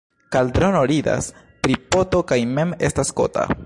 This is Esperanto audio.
Kaldrono ridas pri poto kaj mem estas kota.